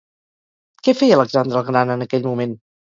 Què feia Alexandre el Gran en aquell moment?